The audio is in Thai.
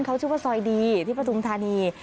เขาชื่อว่าซอยดีที่ปฐุมธานี